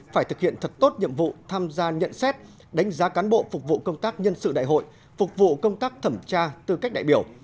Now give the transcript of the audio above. phải thực hiện thật tốt nhiệm vụ tham gia nhận xét đánh giá cán bộ phục vụ công tác nhân sự đại hội phục vụ công tác thẩm tra tư cách đại biểu